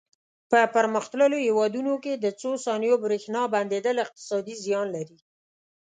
په پرمختللو هېوادونو کې د څو ثانیو برېښنا بندېدل اقتصادي زیان لري.